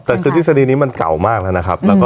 แต่คือทฤษฎีนี้มันเก่ามากแล้วนะครับ